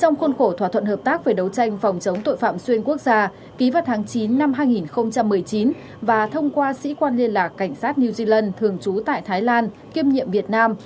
trong khuôn khổ thỏa thuận hợp tác về đấu tranh phòng chống tội phạm xuyên quốc gia ký vào tháng chín năm hai nghìn một mươi chín và thông qua sĩ quan liên lạc cảnh sát new zealand thường trú tại thái lan kiêm nhiệm việt nam